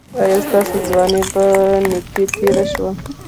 ایا ستاسو ځواني په نیکۍ تیره شوه؟